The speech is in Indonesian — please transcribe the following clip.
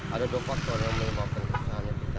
ada dua faktor yang menyebabkan kesalahannya kita